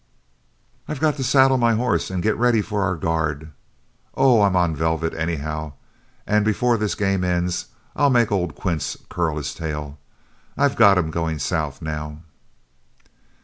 I've got to saddle my horse and get ready for our guard. Oh, I'm on velvet, anyhow, and before this game ends, I'll make old Quince curl his tail; I've got him going south now."